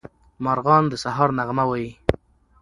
مارغان د سهار نغمه وايي.